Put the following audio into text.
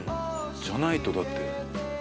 じゃないとだって。